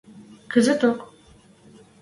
Кӹзӹток!